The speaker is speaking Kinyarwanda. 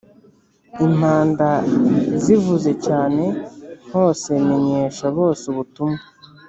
impanda!zivuze cyane hosemenyesha bose ubutumwa